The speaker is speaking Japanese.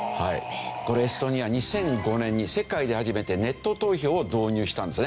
これエストニア２００５年に世界で初めてネット投票を導入したんですね。